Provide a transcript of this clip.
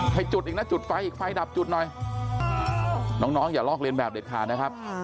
ให้จุดอีกนะจุดไฟอีกไฟดับจุดหน่อยน้องอย่าลอกเรียนแบบเด็ดขาดนะครับ